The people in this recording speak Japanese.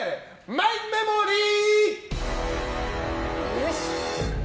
マイメモリー！